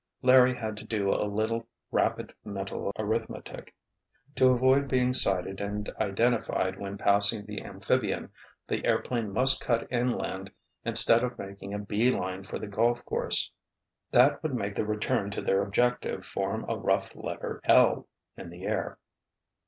Larry had to do a little rapid mental arithmetic. To avoid being sighted and identified when passing the amphibian, the airplane must cut inland instead of making a beeline for the golf course. "That would make the return to their objective form a rough letter "L" in the air.